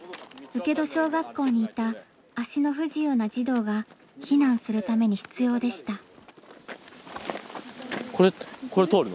請戸小学校にいた足の不自由な児童が避難するために必要でした。